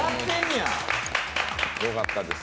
よかったです。